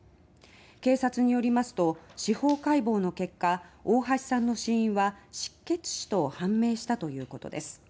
警察によりますと司法解剖の結果大橋さんの死因は失血死と判明したということです。